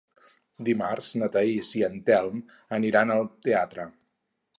Dimarts na Thaís i en Telm aniran al teatre.